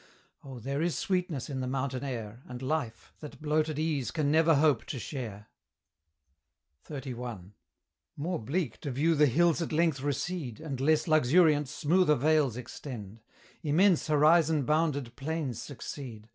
Oh, there is sweetness in the mountain air And life, that bloated Ease can never hope to share. XXXI. More bleak to view the hills at length recede, And, less luxuriant, smoother vales extend: Immense horizon bounded plains succeed!